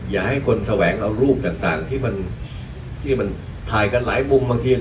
อย่าให้คนแสวงเอารูปต่างที่มันถ่ายกันหลายมุมบางที